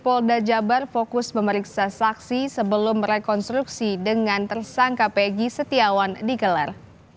polda jabar fokus memeriksa saksi sebelum rekonstruksi dengan tersangka pegi setiawan digelar